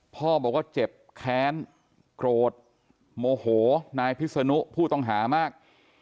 พ่อบอกว่าเจ็บแค้นโกรธโมโหนายพิษนุผู้ต้องหามาก